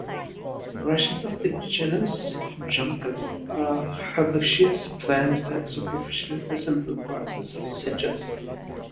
Rushes of the genus "Juncus" are herbaceous plants that superficially resemble grasses or sedges.